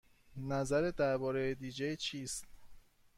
نظرت درباره دی جی چیست؟